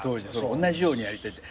おんなじようにやりたいって。